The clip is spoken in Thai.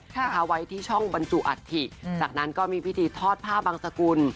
แล้วทาว้ายที่ช่องบรรจุอัฐฒิจากนั้นก็มีพิธีทอดภาพบางสกุล